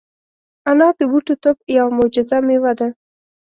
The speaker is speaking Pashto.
انار د بوټو طب یوه معجزه مېوه ده.